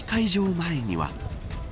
前には。